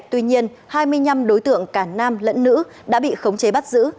tuy nhiên hai mươi năm đối tượng cả nam lẫn nữ đã bị khống chế bắt giữ